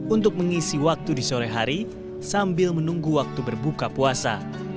untuk mengisi waktu di sore hari sambil menunggu waktu berbuka puasa